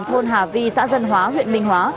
thôn hà vi xã dân hóa huyện minh hóa